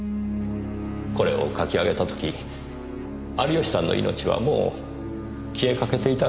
これを描き上げたとき有吉さんの命はもう消えかけていたのでしょう。